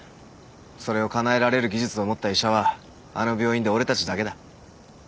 それをかなえられる技術を持った医者はあの病院で俺たちだけだ。